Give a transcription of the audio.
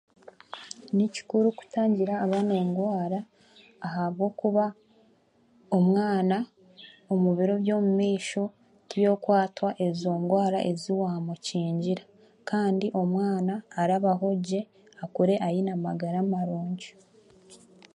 Ni kikuru kutangira abaana endwara ahabwokuba omwana omu biro by'omumaisho tiyokwatwa ezo ndwara ezi waamukingira kandi omwana arabaho gye akure aine amagara marungi